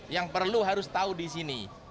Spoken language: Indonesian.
yang perlu harus tahu di sini